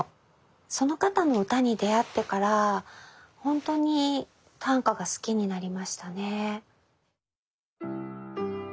その方の歌に出会ってからほんとに短歌が好きになりましたね。